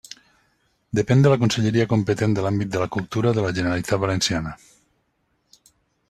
Depèn de la conselleria competent de l'àmbit de la cultura de la Generalitat Valenciana.